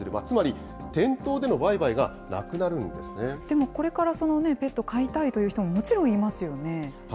つまり店頭での売買がなくなるんでも、これからペット飼いたいっていう人も、もちろんいますよね。